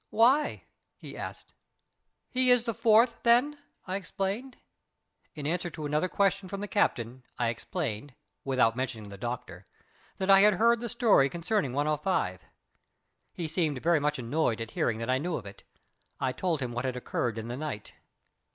"Why?" he asked. "He is the fourth, then?" I explained. In answer to another question from the captain, I explained, without mentioning the doctor, that I had heard the story concerning 105. He seemed very much annoyed at hearing that I knew of it. I told him what had occurred in the night.